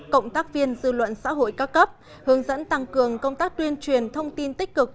cộng tác viên dư luận xã hội cao cấp hướng dẫn tăng cường công tác tuyên truyền thông tin tích cực